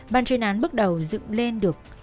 ban chuyên án bước đầu dựng lên được